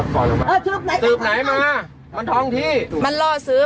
ตำรวจเฉียบมากครับคุม